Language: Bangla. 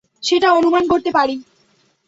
সেটা অনুমান করতে পারি।